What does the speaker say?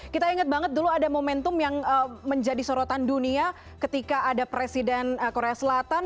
kita ingat banget dulu ada momentum yang menjadi sorotan dunia ketika ada presiden korea selatan